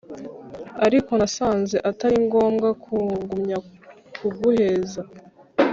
ariko nasanze ataringobwa kugumya kuguheza